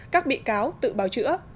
các bị cáo tự bào chữa